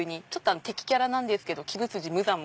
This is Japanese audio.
敵キャラなんですけど鬼舞辻無惨も。